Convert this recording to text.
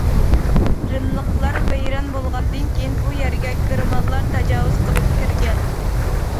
رىملىقلار ۋەيران بولغاندىن كېيىن، بۇ يەرگە گېرمانلار تاجاۋۇز قىلىپ كىرگەن.